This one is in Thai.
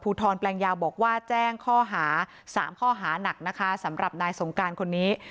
ทรแปลงยาวบอกว่าแจ้งข้อหา๓ข้อหานักนะคะสำหรับนายสงการคนนี้